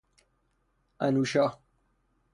اَنوشا